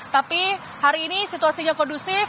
tapi hari ini situasinya kondusif